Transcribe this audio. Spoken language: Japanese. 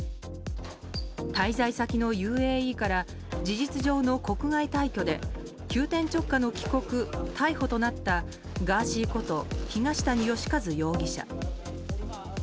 滞在先のＵＡＥから事実上の国外退去で急転直下の帰国逮捕となったガーシーこと東谷義和容疑者。